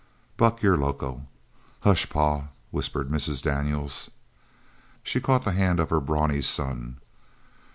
"Buck, you're loco!" "Hush, pa!" whispered Mrs. Daniels. She caught the hand of her brawny son.